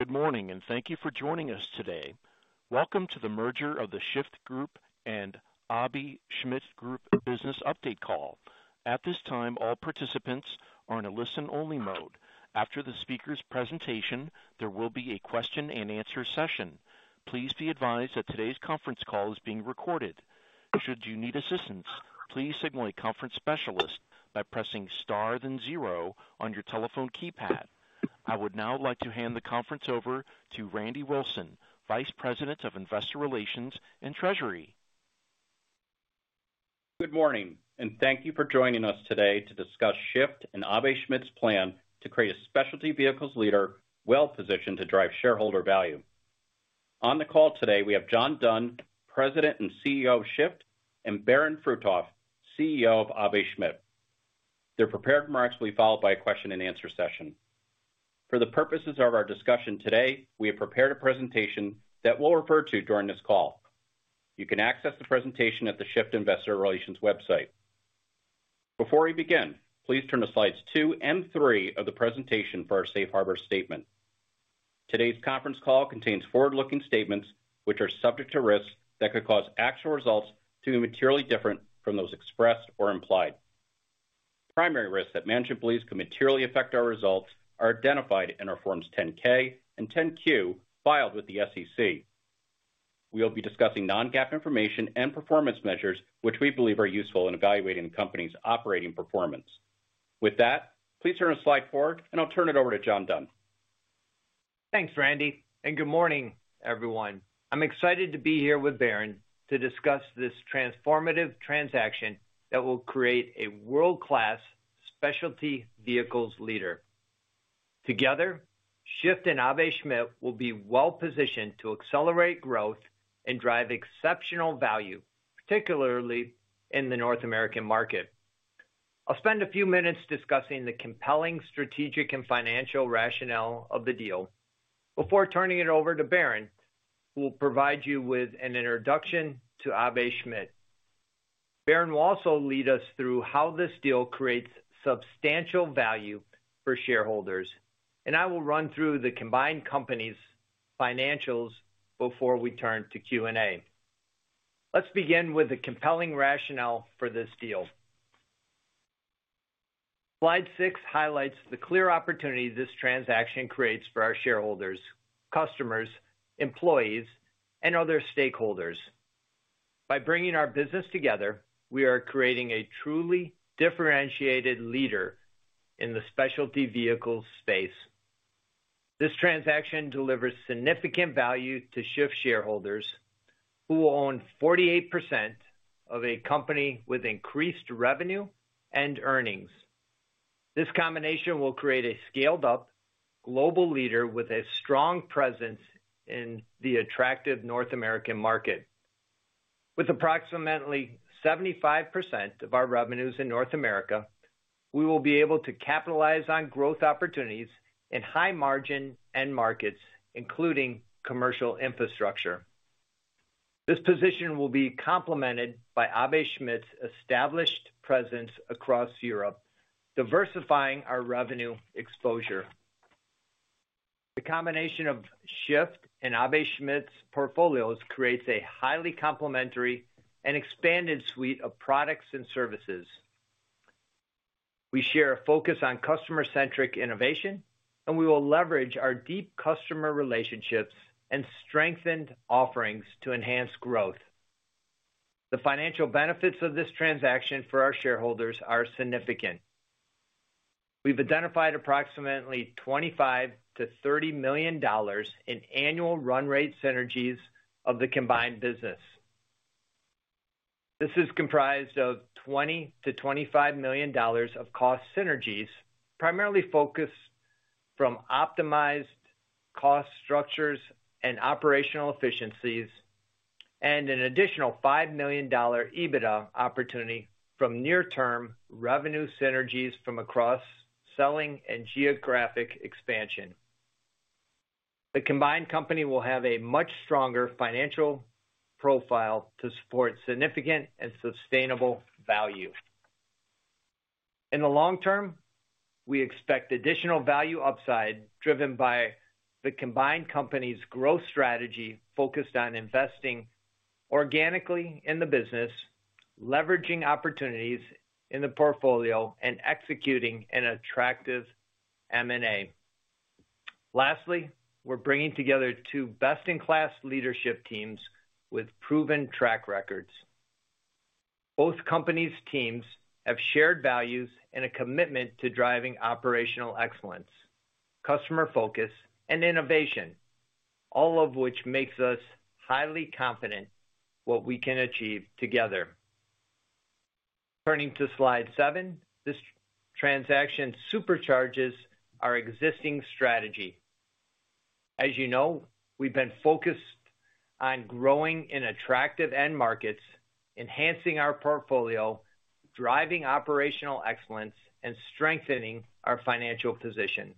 Good morning, and thank you for joining us today. Welcome to the Merger of The Shyft Group and Aebi Schmidt Group Business Update Call. At this time, all participants are in a listen-only mode. After the speaker's presentation, there will be a question-and-answer session. Please be advised that today's conference call is being recorded. Should you need assistance, please signal a conference specialist by pressing star then zero on your telephone keypad. I would now like to hand the conference over to Randy Wilson, Vice President of Investor Relations and Treasury. Good morning, and thank you for joining us today to discuss Shyft and Aebi Schmidt's plan to create a specialty vehicles leader well-positioned to drive shareholder value. On the call today, we have John Dunn, President and CEO of Shyft, and Barend Fruithof, CEO of Aebi Schmidt. Their prepared remarks will be followed by a question-and-answer session. For the purposes of our discussion today, we have prepared a presentation that we'll refer to during this call. You can access the presentation at the Shyft Investor Relations website. Before we begin, please turn to slides two and three of the presentation for our safe harbor statement. Today's conference call contains forward-looking statements which are subject to risks that could cause actual results to be materially different from those expressed or implied. Primary risks that management believes could materially affect our results are identified in our Forms 10-K and 10-Q filed with the SEC. We will be discussing non-GAAP information and performance measures which we believe are useful in evaluating the company's operating performance. With that, please turn to slide four, and I'll turn it over to John Dunn. Thanks, Randy, and good morning, everyone. I'm excited to be here with Barend to discuss this transformative transaction that will create a world-class specialty vehicles leader. Together, Shyft and Aebi Schmidt will be well-positioned to accelerate growth and drive exceptional value, particularly in the North American market. I'll spend a few minutes discussing the compelling strategic and financial rationale of the deal. Before turning it over to Barend, we'll provide you with an introduction to Aebi Schmidt. Barend will also lead us through how this deal creates substantial value for shareholders, and I will run through the combined company's financials before we turn to Q&A. Let's begin with the compelling rationale for this deal. Slide six highlights the clear opportunity this transaction creates for our shareholders, customers, employees, and other stakeholders. By bringing our business together, we are creating a truly differentiated leader in the specialty vehicles space. This transaction delivers significant value to Shyft shareholders, who will own 48% of a company with increased revenue and earnings. This combination will create a scaled-up global leader with a strong presence in the attractive North American market. With approximately 75% of our revenues in North America, we will be able to capitalize on growth opportunities in high-margin end markets, including commercial infrastructure. This position will be complemented by Aebi Schmidt's established presence across Europe, diversifying our revenue exposure. The combination of Shyft and Aebi Schmidt's portfolios creates a highly complementary and expanded suite of products and services. We share a focus on customer-centric innovation, and we will leverage our deep customer relationships and strengthened offerings to enhance growth. The financial benefits of this transaction for our shareholders are significant. We've identified approximately $25 million-$30 million in annual run rate synergies of the combined business. This is comprised of $20 million-$25 million of cost synergies, primarily focused from optimized cost structures and operational efficiencies, and an additional $5 million EBITDA opportunity from near-term revenue synergies from cross-selling and geographic expansion. The combined company will have a much stronger financial profile to support significant and sustainable value. In the long term, we expect additional value upside driven by the combined company's growth strategy focused on investing organically in the business, leveraging opportunities in the portfolio, and executing an attractive M&A. Lastly, we're bringing together two best-in-class leadership teams with proven track records. Both companies' teams have shared values and a commitment to driving operational excellence, customer focus, and innovation, all of which makes us highly confident in what we can achieve together. Turning to slide seven, this transaction supercharges our existing strategy. As you know, we've been focused on growing in attractive end markets, enhancing our portfolio, driving operational excellence, and strengthening our financial position.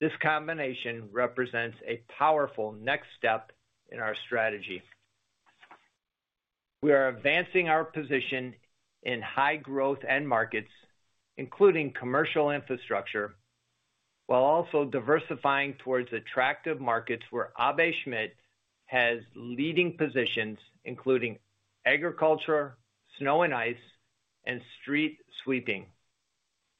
This combination represents a powerful next step in our strategy. We are advancing our position in high-growth end markets, including commercial infrastructure, while also diversifying towards attractive markets where Aebi Schmidt has leading positions, including agriculture, snow and ice, and street sweeping.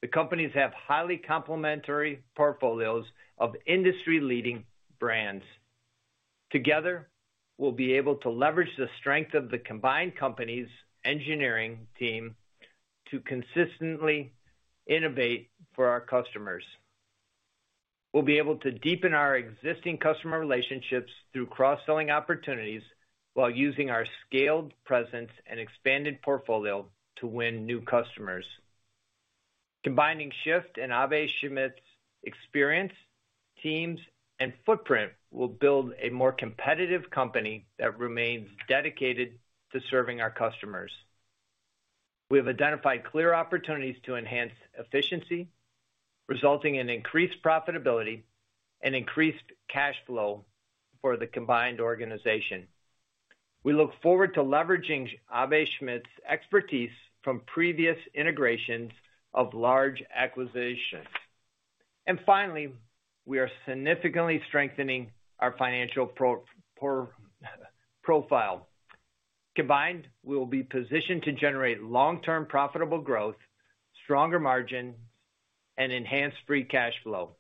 The companies have highly complementary portfolios of industry-leading brands. Together, we'll be able to leverage the strength of the combined company's engineering team to consistently innovate for our customers. We'll be able to deepen our existing customer relationships through cross-selling opportunities while using our scaled presence and expanded portfolio to win new customers. Combining Shyft and Aebi Schmidt's experience, teams, and footprint will build a more competitive company that remains dedicated to serving our customers. We have identified clear opportunities to enhance efficiency, resulting in increased profitability and increased cash flow for the combined organization. We look forward to leveraging Aebi Schmidt's expertise from previous integrations of large acquisitions. And finally, we are significantly strengthening our financial profile. Combined, we will be positioned to generate long-term profitable growth, stronger margins, and enhanced free cash flow.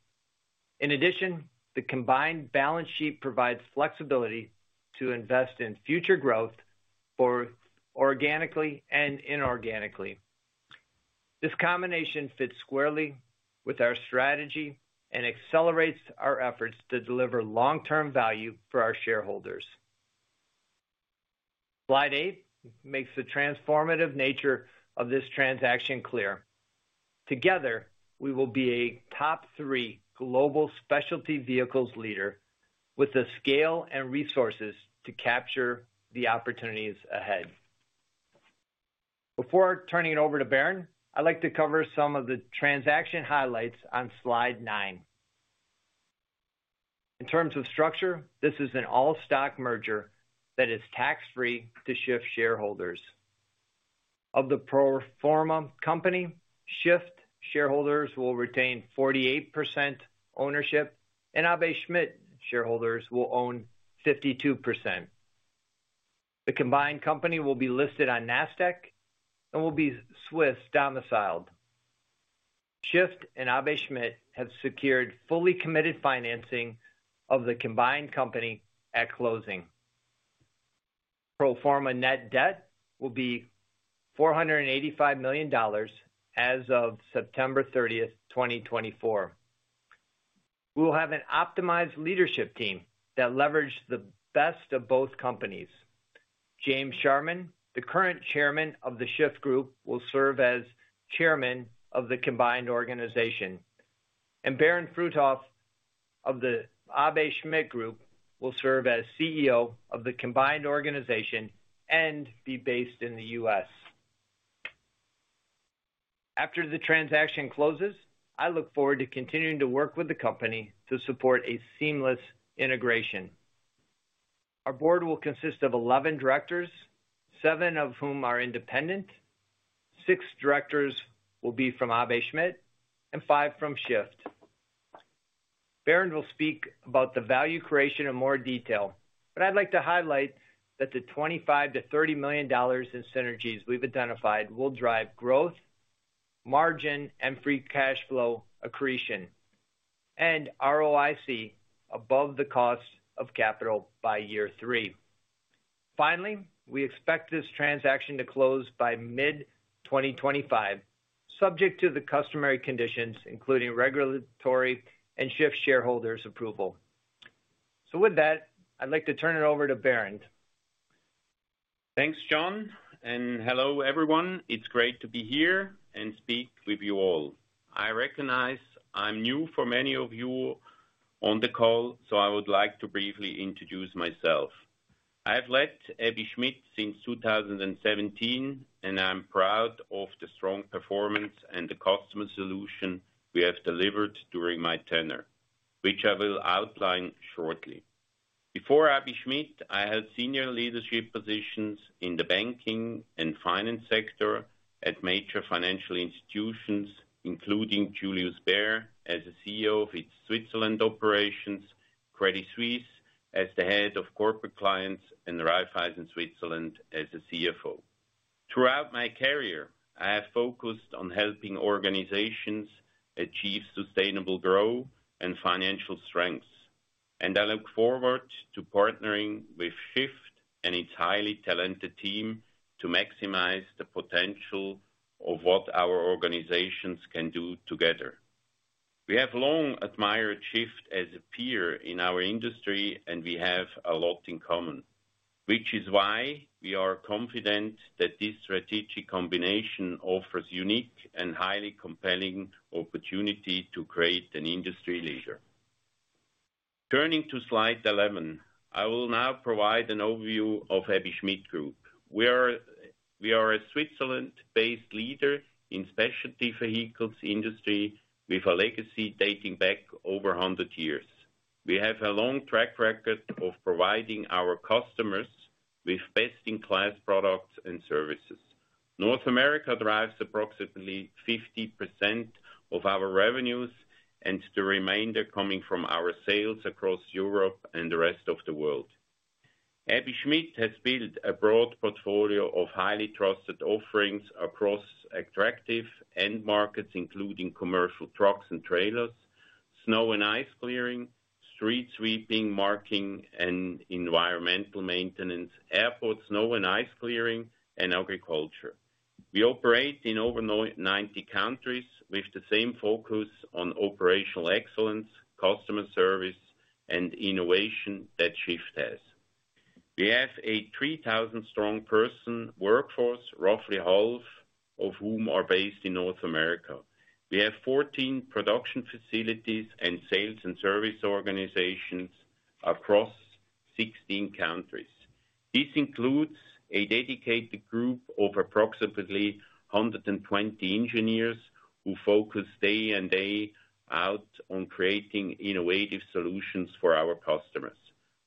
In addition, the combined balance sheet provides flexibility to invest in future growth both organically and inorganically. This combination fits squarely with our strategy and accelerates our efforts to deliver long-term value for our shareholders. Slide eight makes the transformative nature of this transaction clear. Together, we will be a top-three global specialty vehicles leader with the scale and resources to capture the opportunities ahead. Before turning it over to Barend, I'd like to cover some of the transaction highlights on slide nine. In terms of structure, this is an all-stock merger that is tax-free to Shyft shareholders. Of the pro forma company, Shyft shareholders will retain 48% ownership, and Aebi Schmidt shareholders will own 52%. The combined company will be listed on NASDAQ and will be Swiss domiciled. Shyft and Aebi Schmidt have secured fully committed financing of the combined company at closing. Pro forma net debt will be $485 million as of September 30, 2024. We will have an optimized leadership team that leverages the best of both companies. James Sharman, the current chairman of the Shyft Group, will serve as chairman of the combined organization, and Barend Fruithof of the Aebi Schmidt Group will serve as CEO of the combined organization and be based in the U.S. After the transaction closes, I look forward to continuing to work with the company to support a seamless integration. Our board will consist of 11 directors, seven of whom are independent, six directors will be from Aebi Schmidt, and five from Shyft. Barend will speak about the value creation in more detail, but I'd like to highlight that the $25 million-$30 million in synergies we've identified will drive growth, margin, and free cash flow accretion, and ROIC above the cost of capital by year three. Finally, we expect this transaction to close by mid-2025, subject to the customary conditions, including regulatory and Shyft shareholders' approval, so with that, I'd like to turn it over to Barend. Thanks, John, and hello, everyone. It's great to be here and speak with you all. I recognize I'm new for many of you on the call, so I would like to briefly introduce myself. I have led Aebi Schmidt since 2017, and I'm proud of the strong performance and the customer solution we have delivered during my tenure, which I will outline shortly. Before Aebi Schmidt, I held senior leadership positions in the banking and finance sector at major financial institutions, including Julius Baer as the CEO of its Switzerland operations, Credit Suisse as the head of Corporate Clients, and Raiffeisen Switzerland as the CFO. Throughout my career, I have focused on helping organizations achieve sustainable growth and financial strengths, and I look forward to partnering with Shyft and its highly talented team to maximize the potential of what our organizations can do together. We have long admired Shyft as a peer in our industry, and we have a lot in common, which is why we are confident that this strategic combination offers a unique and highly compelling opportunity to create an industry leader. Turning to slide 11, I will now provide an overview of Aebi Schmidt Group. We are a Switzerland-based leader in the specialty vehicles industry with a legacy dating back over 100 years. We have a long track record of providing our customers with best-in-class products and services. North America drives approximately 50% of our revenues, and the remainder coming from our sales across Europe and the rest of the world. Aebi Schmidt has built a broad portfolio of highly trusted offerings across attractive end markets, including commercial trucks and trailers, snow and ice clearing, street sweeping, marking, and environmental maintenance, airport snow and ice clearing, and agriculture. We operate in over 90 countries with the same focus on operational excellence, customer service, and innovation that Shyft has. We have a 3,000-strong person workforce, roughly half of whom are based in North America. We have 14 production facilities and sales and service organizations across 16 countries. This includes a dedicated group of approximately 120 engineers who focus day in and day out on creating innovative solutions for our customers.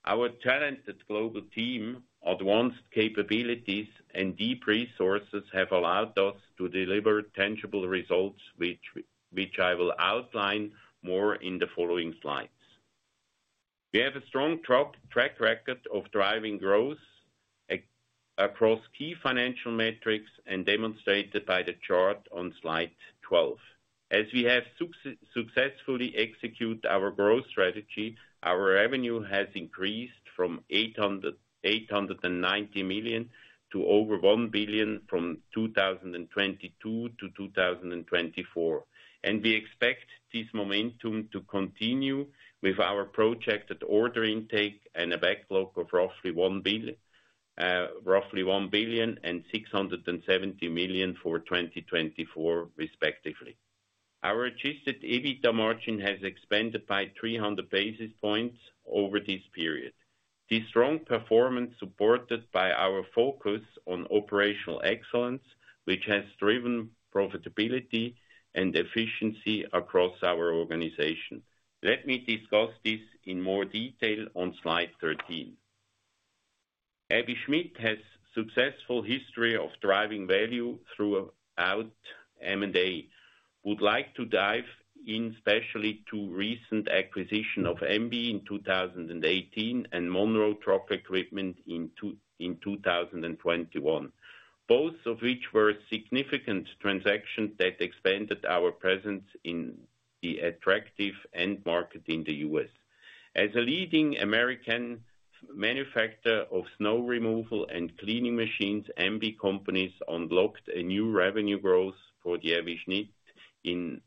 Our talented global team, advanced capabilities, and deep resources have allowed us to deliver tangible results, which I will outline more in the following slides. We have a strong track record of driving growth across key financial metrics demonstrated by the chart on slide 12. As we have successfully executed our growth strategy, our revenue has increased from $890 million to over $1 billion from 2022 to 2024. We expect this momentum to continue with our projected order intake and a backlog of roughly $1 billion and $670 million for 2024, respectively. Our adjusted EBITDA margin has expanded by 300 basis points over this period. This strong performance is supported by our focus on operational excellence, which has driven profitability and efficiency across our organization. Let me discuss this in more detail on slide 13. Aebi Schmidt has a successful history of driving value throughout M&A. I would like to dive in specifically to the recent acquisition of M-B Companies in 2018 and Monroe Truck Equipment in 2021, both of which were significant transactions that expanded our presence in the attractive end market in the U.S. As a leading American manufacturer of snow removal and cleaning machines, M-B Companies unlocked a new revenue growth for the Aebi Schmidt in the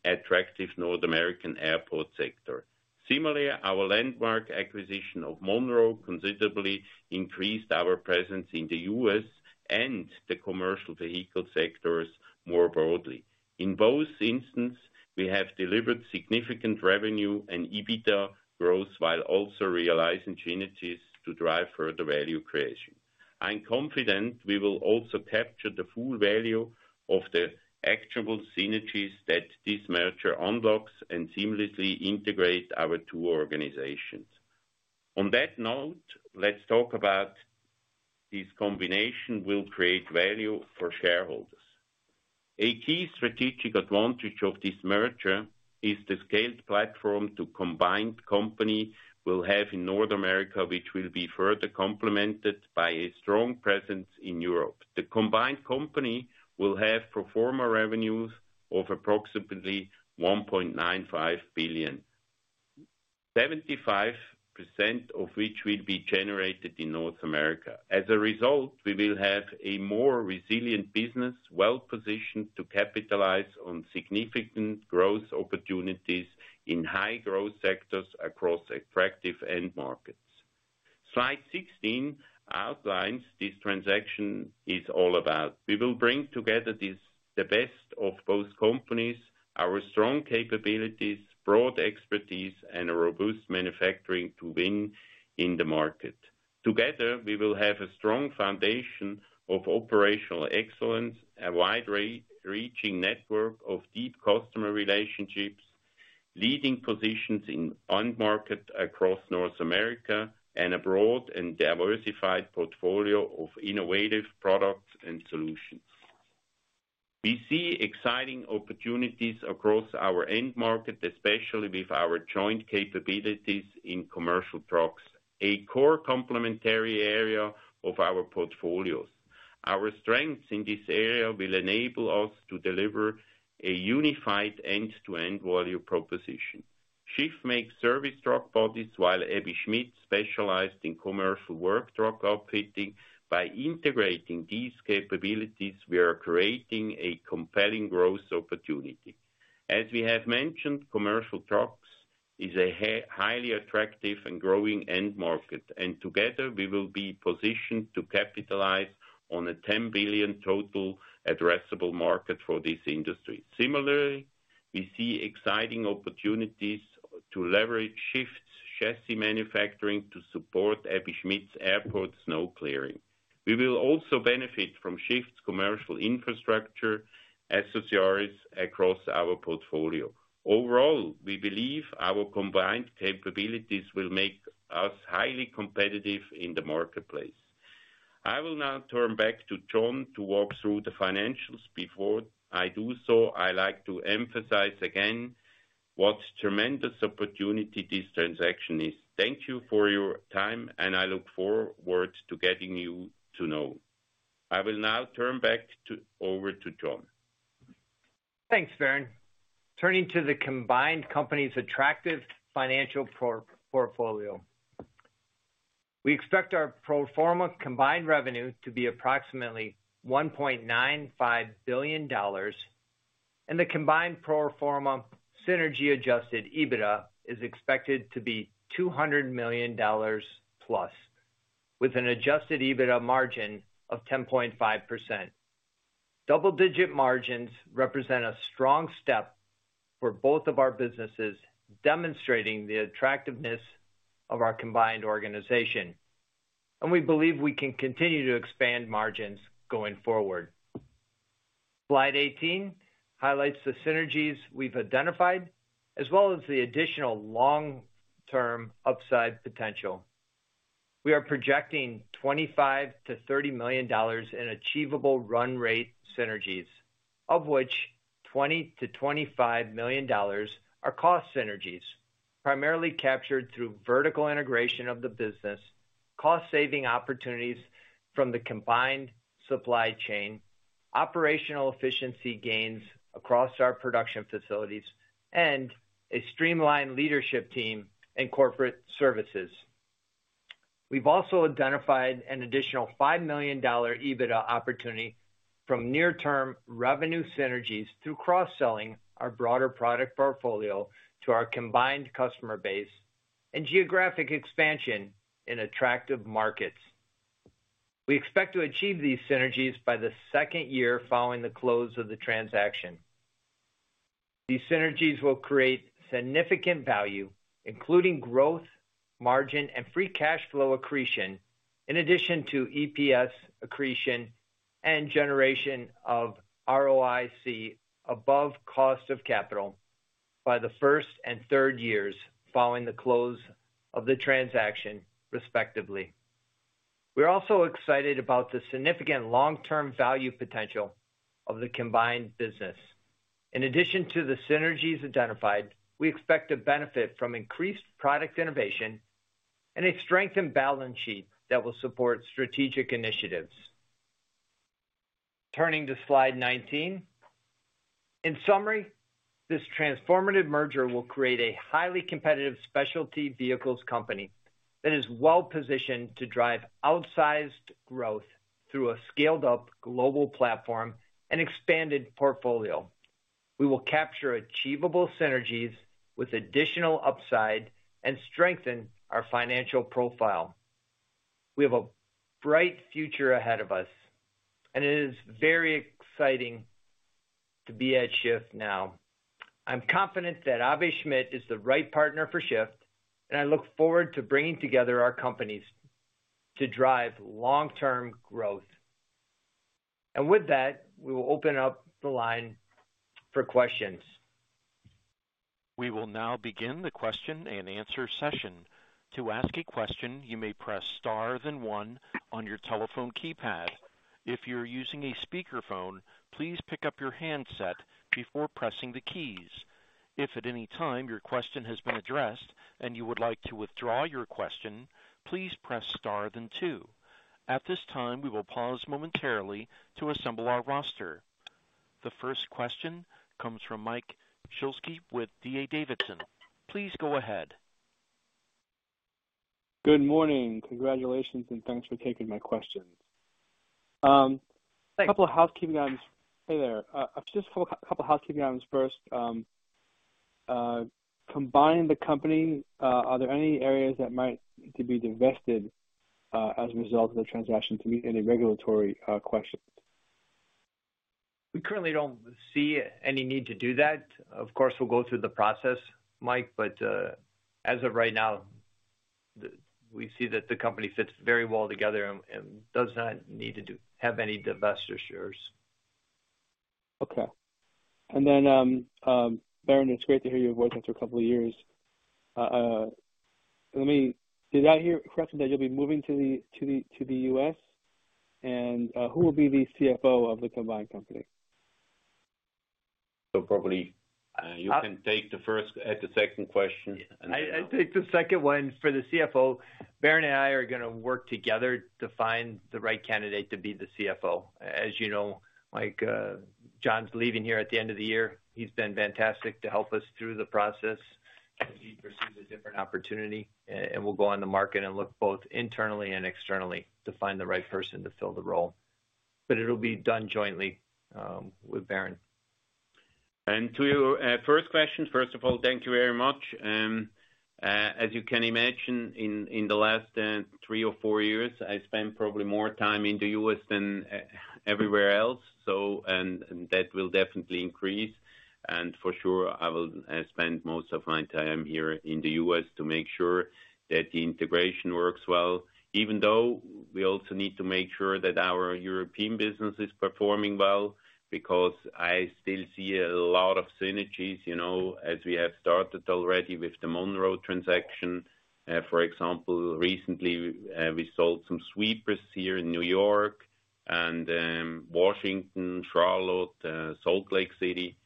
attractive North American airport sector. Similarly, our landmark acquisition of Monroe considerably increased our presence in the U.S. and the commercial vehicle sectors more broadly. In both instances, we have delivered significant revenue and EBITDA growth while also realizing synergies to drive further value creation. I'm confident we will also capture the full value of the actual synergies that this merger unlocks and seamlessly integrates our two organizations. On that note, let's talk about this combination that will create value for shareholders. A key strategic advantage of this merger is the scaled platform the combined company will have in North America, which will be further complemented by a strong presence in Europe. The combined company will have pro forma revenues of approximately $1.95 billion, 75% of which will be generated in North America. As a result, we will have a more resilient business well-positioned to capitalize on significant growth opportunities in high-growth sectors across attractive end markets. Slide 16 outlines what this transaction is all about. We will bring together the best of both companies, our strong capabilities, broad expertise, and a robust manufacturing to win in the market. Together, we will have a strong foundation of operational excellence, a wide-reaching network of deep customer relationships, leading positions in end markets across North America and a broad and diversified portfolio of innovative products and solutions. We see exciting opportunities across our end market, especially with our joint capabilities in commercial trucks, a core complementary area of our portfolios. Our strengths in this area will enable us to deliver a unified end-to-end value proposition. Shyft makes service truck bodies while Aebi Schmidt specializes in commercial work truck outfitting. By integrating these capabilities, we are creating a compelling growth opportunity. As we have mentioned, commercial trucks are a highly attractive and growing end market, and together, we will be positioned to capitalize on a $10 billion total addressable market for this industry. Similarly, we see exciting opportunities to leverage Shyft's chassis manufacturing to support Aebi Schmidt's airport snow clearing. We will also benefit from Shyft's commercial infrastructure as a service across our portfolio. Overall, we believe our combined capabilities will make us highly competitive in the marketplace. I will now turn back to John to walk through the financials. Before I do so, I'd like to emphasize again what a tremendous opportunity this transaction is. Thank you for your time, and I look forward to getting to know you. I will now turn back over to John. Thanks, Barend. Turning to the combined company's attractive financial portfolio, we expect our pro forma combined revenue to be approximately $1.95 billion, and the combined pro forma synergy-adjusted EBITDA is expected to be $200 million plus, with an adjusted EBITDA margin of 10.5%. Double-digit margins represent a strong step for both of our businesses, demonstrating the attractiveness of our combined organization, and we believe we can continue to expand margins going forward. Slide 18 highlights the synergies we've identified, as well as the additional long-term upside potential. We are projecting $25 million-$30 million in achievable run rate synergies, of which $20 million-$25 million are cost synergies, primarily captured through vertical integration of the business, cost-saving opportunities from the combined supply chain, operational efficiency gains across our production facilities, and a streamlined leadership team and corporate services. We've also identified an additional $5 million EBITDA opportunity from near-term revenue synergies through cross-selling our broader product portfolio to our combined customer base and geographic expansion in attractive markets. We expect to achieve these synergies by the second year following the close of the transaction. These synergies will create significant value, including growth, margin, and free cash flow accretion, in addition to EPS accretion and generation of ROIC above cost of capital by the first and third years following the close of the transaction, respectively. We're also excited about the significant long-term value potential of the combined business. In addition to the synergies identified, we expect to benefit from increased product innovation and a strengthened balance sheet that will support strategic initiatives. Turning to slide 19, in summary, this transformative merger will create a highly competitive specialty vehicles company that is well-positioned to drive outsized growth through a scaled-up global platform and expanded portfolio. We will capture achievable synergies with additional upside and strengthen our financial profile. We have a bright future ahead of us, and it is very exciting to be at Shyft now. I'm confident that Aebi Schmidt is the right partner for Shyft, and I look forward to bringing together our companies to drive long-term growth. And with that, we will open up the line for questions. We will now begin the question and answer session. To ask a question, you may press star then one on your telephone keypad. If you're using a speakerphone, please pick up your handset before pressing the keys. If at any time your question has been addressed and you would like to withdraw your question, please press star then two. At this time, we will pause momentarily to assemble our roster. The first question comes from Mike Shlisky with D.A. Davidson. Please go ahead. Good morning. Congratulations and thanks for taking my question. Thanks. A couple of housekeeping items. Hey there. Just a couple of housekeeping items first. Combine the company. Are there any areas that might need to be divested as a result of the transaction to meet any regulatory questions? We currently don't see any need to do that. Of course, we'll go through the process, Mike, but as of right now, we see that the company fits very well together and does not need to have any divestitures. Okay. And then, Barend, it's great to hear you've worked there for a couple of years. Did I hear correctly that you'll be moving to the U.S.? And who will be the CFO of the combined company? So probably you can take the first and the second question. I'll take the second one for the CFO. Barend and I are going to work together to find the right candidate to be the CFO. As you know, Mike, John's leaving here at the end of the year. He's been fantastic to help us through the process as he pursues a different opportunity, and we'll go on the market and look both internally and externally to find the right person to fill the role. But it'll be done jointly with Barend. To your first question, first of all, thank you very much. As you can imagine, in the last three or four years, I spent probably more time in the U.S. than everywhere else, and that will definitely increase. For sure, I will spend most of my time here in the U.S. to make sure that the integration works well, even though we also need to make sure that our European business is performing well because I still see a lot of synergies as we have started already with the Monroe transaction. For example, recently, we sold some sweepers here in New York and Washington, Charlotte, Salt Lake City.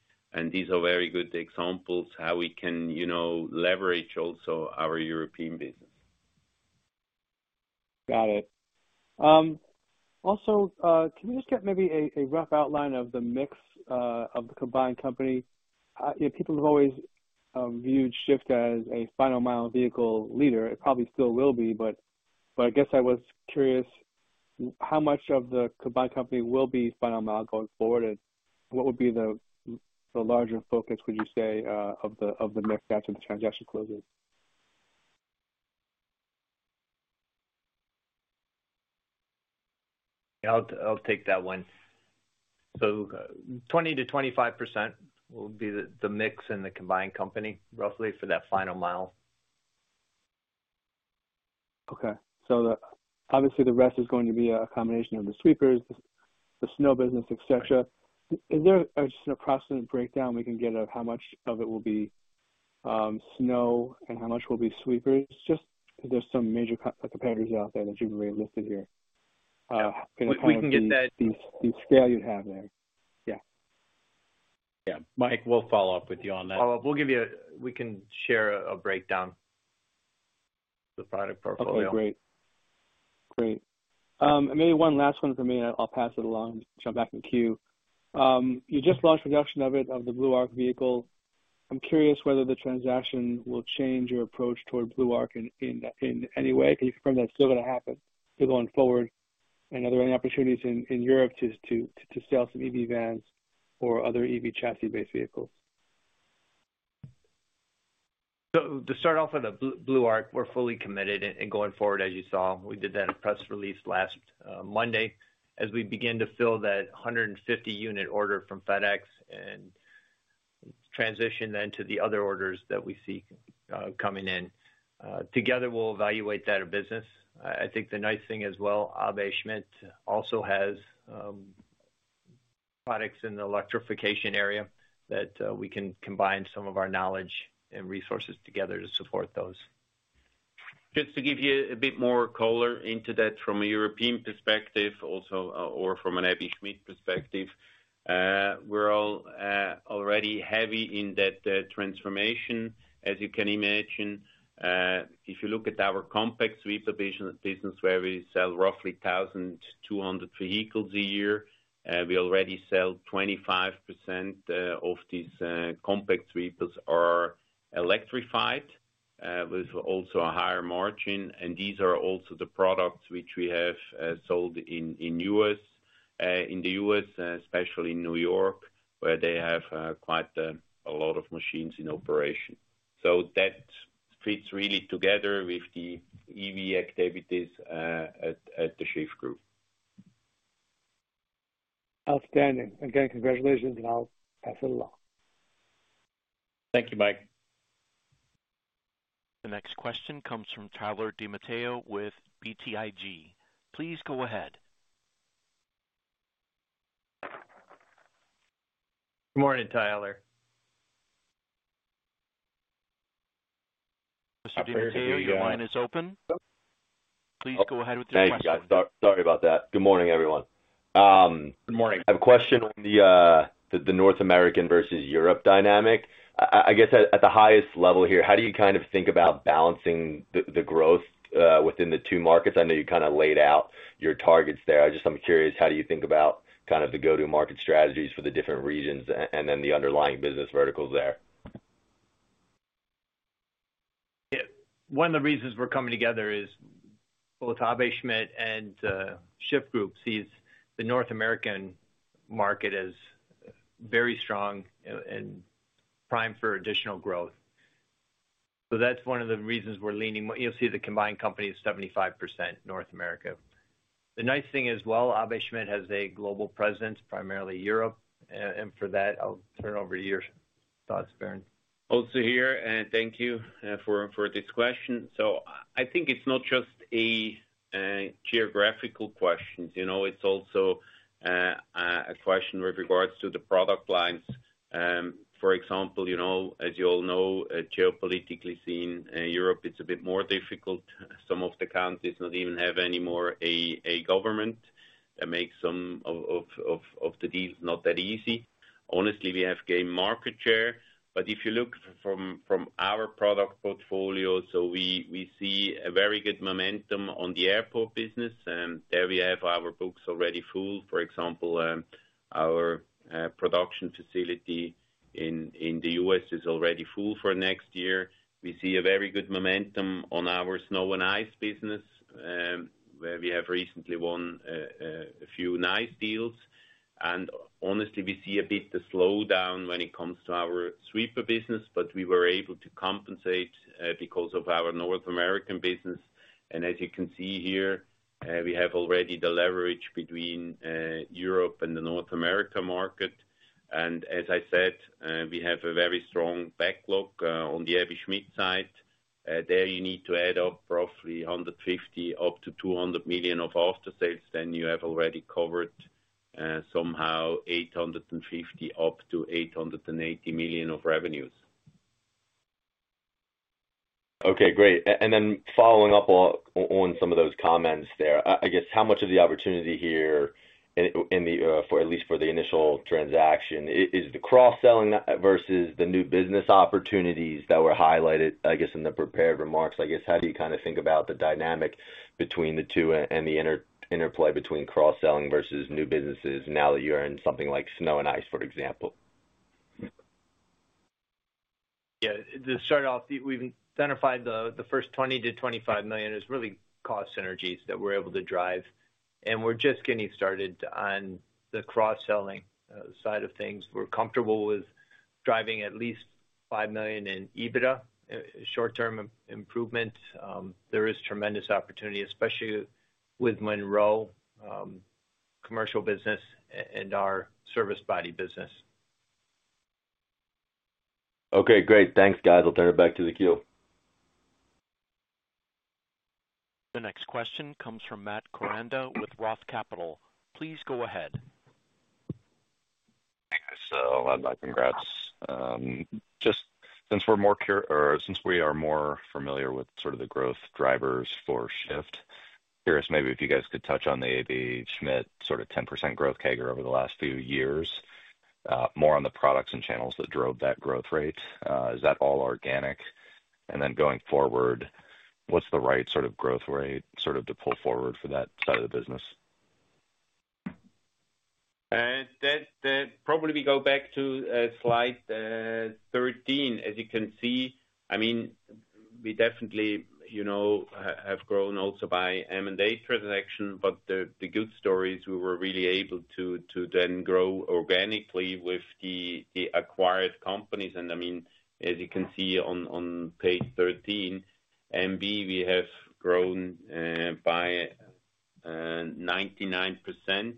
These are very good examples of how we can leverage also our European business. Got it. Also, can you just get maybe a rough outline of the mix of the combined company? People have always viewed Shyft as a final-mile vehicle leader. It probably still will be, but I guess I was curious how much of the combined company will be final-mile going forward, and what would be the larger focus, would you say, of the mix after the transaction closes? I'll take that one. So 20%-25% will be the mix in the combined company, roughly, for that final mile. Okay. So obviously, the rest is going to be a combination of the sweepers, the snow business, etc. Is there just an approximate breakdown we can get of how much of it will be snow and how much will be sweepers? Just because there's some major competitors out there that you've already listed here. We can get that. The scale you'd have there. Yeah. Yeah. Mike, we'll follow up with you on that. We'll give you. We can share a breakdown of the product portfolio. Okay. Great. Great. Maybe one last one for me, and I'll pass it along and jump back in the queue. You just launched a production of the Blue Arc vehicle. I'm curious whether the transaction will change your approach toward Blue Arc in any way. Can you confirm that's still going to happen going forward? And are there any opportunities in Europe to sell some EV vans or other EV chassis-based vehicles? So to start off with the Blue Arc, we're fully committed and going forward, as you saw. We did that press release last Monday as we begin to fill that 150-unit order from FedEx and transition then to the other orders that we see coming in. Together, we'll evaluate that business. I think the nice thing as well, Aebi Schmidt also has products in the electrification area that we can combine some of our knowledge and resources together to support those. Just to give you a bit more color into that from a European perspective also or from an Aebi Schmidt perspective, we're all already heavy in that transformation. As you can imagine, if you look at our compact sweeper business, where we sell roughly 1,200 vehicles a year, we already sell 25% of these compact sweepers are electrified with also a higher margin. And these are also the products which we have sold in the U.S., especially in New York, where they have quite a lot of machines in operation. So that fits really together with the EV activities at the Shyft Group. Outstanding. Again, congratulations, and I'll pass it along. Thank you, Mike. The next question comes from Tyler DiMatteo with BTIG. Please go ahead. Good morning, Tyler. Mr. DiMatteo, your line is open. Please go ahead with your question. Thank you. Sorry about that. Good morning, everyone. Good morning. I have a question on the North American versus Europe dynamic. I guess at the highest level here, how do you kind of think about balancing the growth within the two markets? I know you kind of laid out your targets there. I'm just curious, how do you think about kind of the go-to-market strategies for the different regions and then the underlying business verticals there? One of the reasons we're coming together is both Aebi Schmidt and Shyft Group see the North American market as very strong and primed for additional growth. So that's one of the reasons we're leaning, you'll see the combined company is 75% North America. The nice thing as well, Aebi Schmidt has a global presence, primarily Europe. And for that, I'll turn it over to your thoughts, Barend. Also here, and thank you for this question. So I think it's not just a geographical question. It's also a question with regards to the product lines. For example, as you all know, geopolitically seeing Europe, it's a bit more difficult. Some of the countries don't even have anymore a government that makes some of the deals not that easy. Honestly, we have gained market share. But if you look from our product portfolio, so we see a very good momentum on the airport business. There we have our books already full. For example, our production facility in the U.S. is already full for next year. We see a very good momentum on our snow and ice business, where we have recently won a few nice deals. Honestly, we see a bit of slowdown when it comes to our sweeper business, but we were able to compensate because of our North American business. And as you can see here, we have already the leverage between Europe and the North America market. And as I said, we have a very strong backlog on the Aebi Schmidt side. There you need to add up roughly $150 million-$200 million of after-sales. Then you have already covered somehow $850 million-$880 million of revenues. Okay. Great. And then following up on some of those comments there, I guess how much of the opportunity here, at least for the initial transaction, is the cross-selling versus the new business opportunities that were highlighted, I guess, in the prepared remarks? I guess how do you kind of think about the dynamic between the two and the interplay between cross-selling versus new businesses now that you're in something like snow and ice, for example? Yeah. To start off, we've identified the first $20 million-$25 million as really cost synergies that we're able to drive. And we're just getting started on the cross-selling side of things. We're comfortable with driving at least $5 million in EBITDA, short-term improvement. There is tremendous opportunity, especially with Monroe commercial business and our service body business. Okay. Great. Thanks, guys. I'll turn it back to the queue. The next question comes from Matt Koranda with Roth Capital. Please go ahead. Thank you, sir. Congrats. Just since we are more familiar with sort of the growth drivers for Shyft, curious maybe if you guys could touch on the Aebi Schmidt sort of 10% growth kicker over the last few years, more on the products and channels that drove that growth rate. Is that all organic? And then going forward, what's the right sort of growth rate sort of to pull forward for that side of the business? Probably we go back to slide 13. As you can see, I mean, we definitely have grown also by M&A transaction, but the good story is we were really able to then grow organically with the acquired companies, and I mean, as you can see on page 13, revenue we have grown by 99%,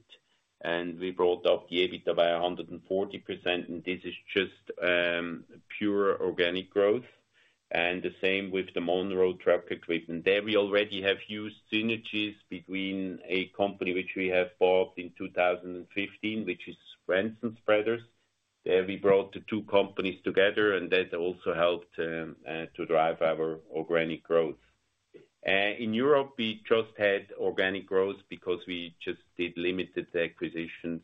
and we brought up the EBITDA by 140%, and this is just pure organic growth, and the same with the Monroe Truck Equipment. There we already have used synergies between a company which we have bought in 2015, which is Swenson Spreader. There we brought the two companies together, and that also helped to drive our organic growth. In Europe, we just had organic growth because we just did limited acquisitions,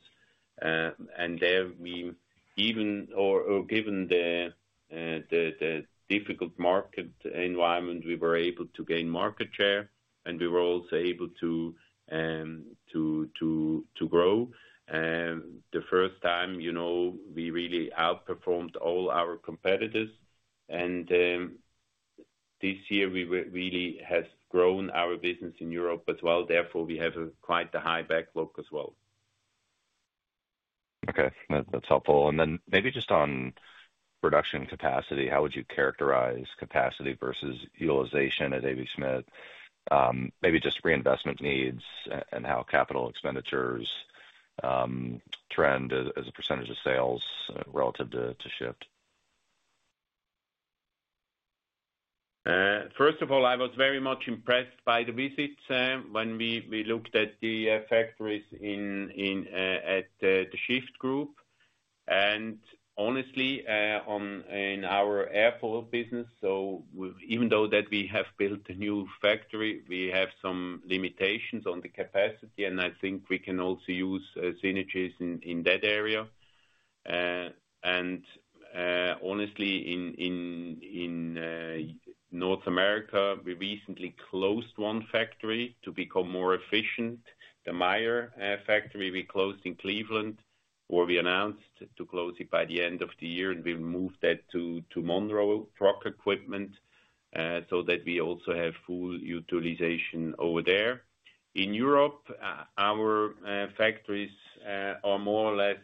and there we, even in, given the difficult market environment, we were able to gain market share, and we were also able to grow. The first time, we really outperformed all our competitors. This year, we really have grown our business in Europe as well. Therefore, we have quite a high backlog as well. Okay. That's helpful. And then maybe just on production capacity, how would you characterize capacity versus utilization at Aebi Schmidt? Maybe just reinvestment needs and how capital expenditures trend as a percentage of sales relative to Shyft? First of all, I was very much impressed by the visits when we looked at the factories at The Shyft Group. And honestly, in our airport business, so even though that we have built a new factory, we have some limitations on the capacity, and I think we can also use synergies in that area. And honestly, in North America, we recently closed one factory to become more efficient. The Meyer factory we closed in Cleveland, or we announced to close it by the end of the year, and we moved that to Monroe Truck Equipment so that we also have full utilization over there. In Europe, our factories are more or less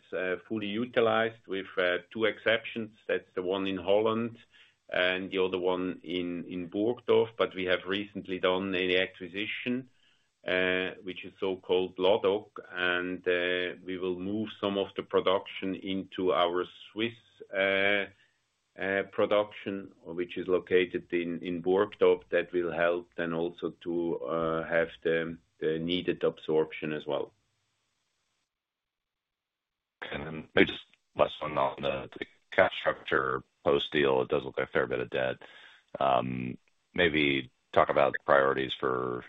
fully utilized with two exceptions. That's the one in Holland and the other one in Burgdorf. But we have recently done an acquisition, which is so-called Ladog, and we will move some of the production into our Swiss production, which is located in Burgdorf. That will help then also to have the needed absorption as well. And then maybe just last one on the capital structure post-deal. It does look like a fair bit of debt. Maybe talk about the priorities for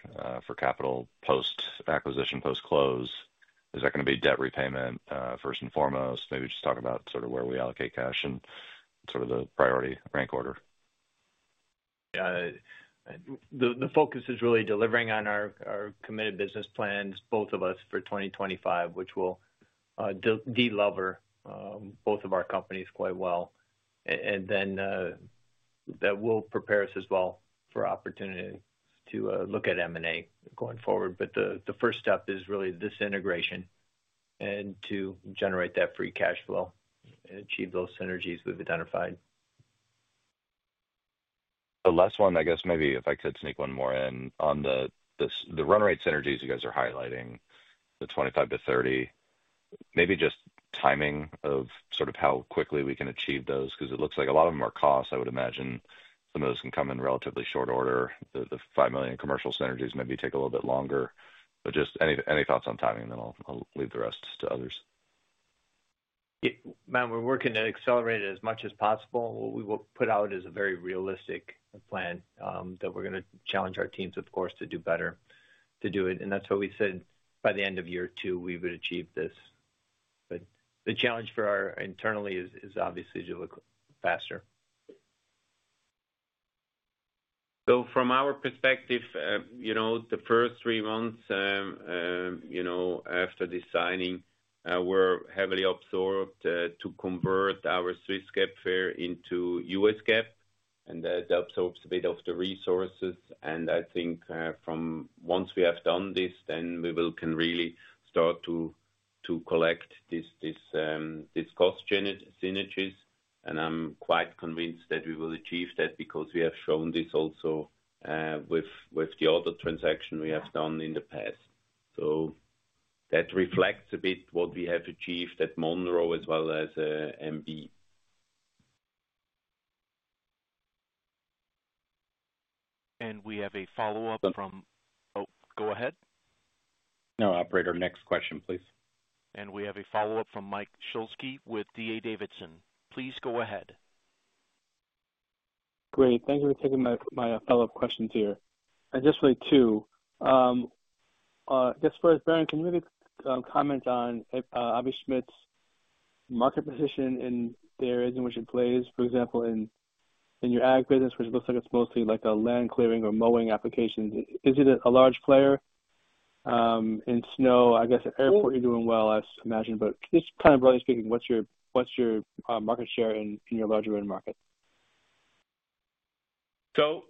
capital post-acquisition, post-close. Is that going to be debt repayment first and foremost? Maybe just talk about sort of where we allocate cash and sort of the priority rank order. The focus is really delivering on our committed business plans, both of us, for 2025, which will deliver both of our companies quite well, and then that will prepare us as well for opportunity to look at M&A going forward, but the first step is really this integration and to generate that free cash flow and achieve those synergies we've identified. The last one, I guess maybe if I could sneak one more in on the run rate synergies you guys are highlighting, the $25-$30, maybe just timing of sort of how quickly we can achieve those because it looks like a lot of them are cost, I would imagine. Some of those can come in relatively short order. The $5 million commercial synergies maybe take a little bit longer, but just any thoughts on timing, then I'll leave the rest to others. Yeah. Man, we're working to accelerate it as much as possible. What we will put out is a very realistic plan that we're going to challenge our teams, of course, to do better to do it. And that's what we said by the end of year two, we would achieve this. But the challenge for us internally is obviously to move faster. So from our perspective, the first three months after closing, we're heavily absorbed to convert our Swiss GAAP into US GAAP. And that absorbs a bit of the resources. And I think once we have done this, then we can really start to collect these cost synergies. And I'm quite convinced that we will achieve that because we have shown this also with the other transaction we have done in the past. So that reflects a bit what we have achieved at Monroe as well as M-B. We have a follow-up from. Go ahead. No, operator, next question, please. And we have a follow-up from Mike Shlisky with D.A. Davidson. Please go ahead. Great. Thank you for taking my follow-up questions here. And just really two. I guess, first, Barend, can you maybe comment on Aebi Schmidt's market position in the areas in which it plays, for example, in your ag business, which looks like it's mostly like a land clearing or mowing application? Is it a large player? In snow, I guess, at airport, you're doing well, I imagine. But just kind of broadly speaking, what's your market share in your larger market? So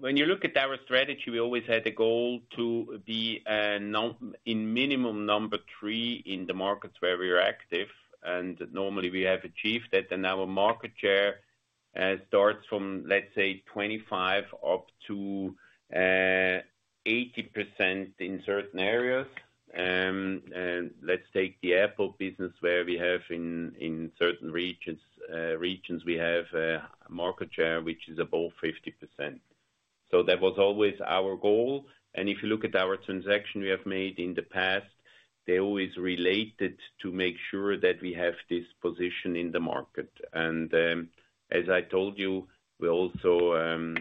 when you look at our strategy, we always had a goal to be in minimum number three in the markets where we're active. And normally, we have achieved that. And our market share starts from, let's say, 25% up to 80% in certain areas. And let's take the airport business where we have in certain regions we have a market share which is above 50%. So that was always our goal. And if you look at our transaction we have made in the past, they're always related to make sure that we have this position in the market. And as I told you, we also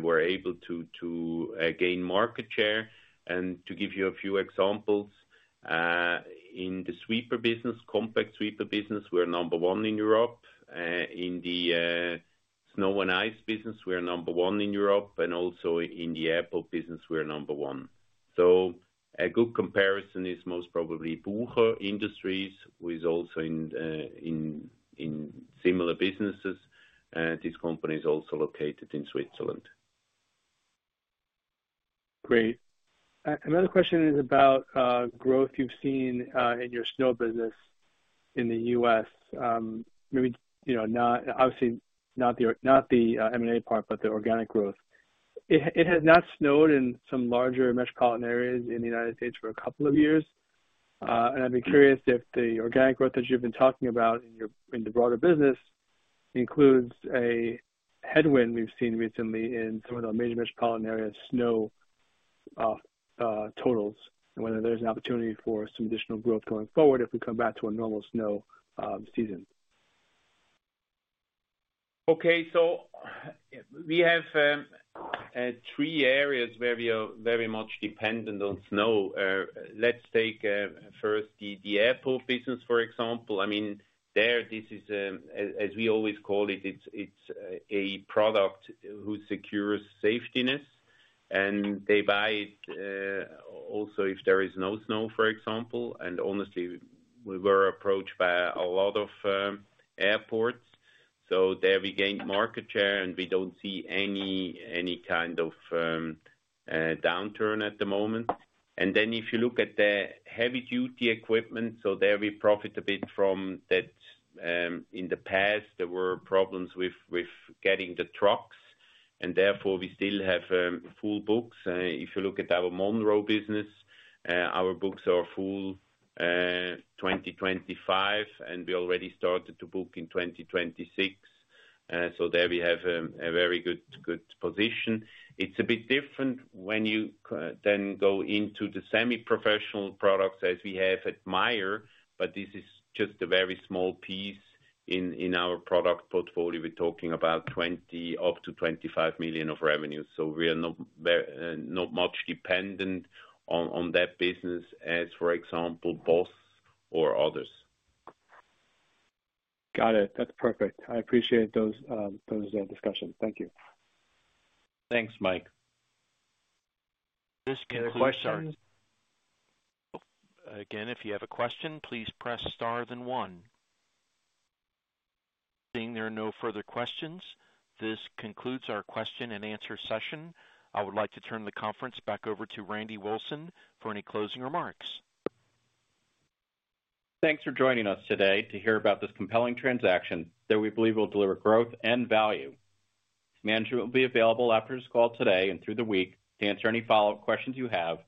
were able to gain market share. And to give you a few examples, in the sweeper business, compact sweeper business, we're number one in Europe. In the snow and ice business, we're number one in Europe. Also in the airport business, we're number one. A good comparison is most probably Bucher Industries, who is also in similar businesses. This company is also located in Switzerland. Great. Another question is about growth you've seen in your snow business in the U.S., maybe obviously not the M&A part, but the organic growth. It has not snowed in some larger metropolitan areas in the United States for a couple of years, and I'd be curious if the organic growth that you've been talking about in the broader business includes a headwind we've seen recently in some of the major metropolitan areas, snow totals, and whether there's an opportunity for some additional growth going forward if we come back to a normal snow season. Okay. So we have three areas where we are very much dependent on snow. Let's take first the airport business, for example. I mean, there, this is, as we always call it, it's a product who secures safeness, and they buy it also if there is no snow, for example, and honestly, we were approached by a lot of airports, so there we gained market share, and we don't see any kind of downturn at the moment, and then if you look at the heavy-duty equipment, so there we profit a bit from that. In the past, there were problems with getting the trucks, and therefore we still have full books. If you look at our Monroe business, our books are full 2025, and we already started to book in 2026, so there we have a very good position. It's a bit different when you then go into the semi-professional products as we have at Meyer, but this is just a very small piece in our product portfolio. We're talking about $20-$25 million of revenue. So we are not much dependent on that business as, for example, Boss or others. Got it. That's perfect. I appreciate those discussions. Thank you. Thanks, Mike. Again, if you have a question, please press star then one. Seeing there are no further questions, this concludes our question and answer session. I would like to turn the conference back over to Randy Wilson for any closing remarks. Thanks for joining us today to hear about this compelling transaction that we believe will deliver growth and value. Management will be available after this call today and through the week to answer any follow-up questions you have.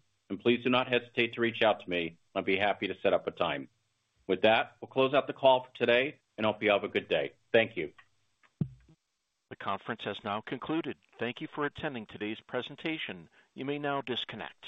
Please do not hesitate to reach out to me. I'd be happy to set up a time. With that, we'll close out the call for today, and I hope you have a good day. Thank you. The conference has now concluded. Thank you for attending today's presentation. You may now disconnect.